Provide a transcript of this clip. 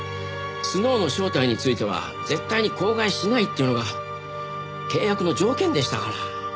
スノウの正体については絶対に口外しないっていうのが契約の条件でしたから。